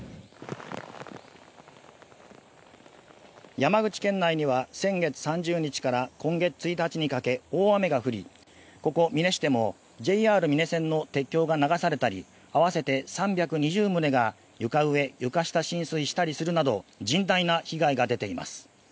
山口県内には先月３０日から今月１日にかけ、大雨が降り、ここ美祢市でもＪＲ美祢線の鉄橋が流されたり、合わせて３２０棟が床上、床下浸水したりするなど、甚大な被害が出ています。